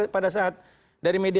pada saat dari media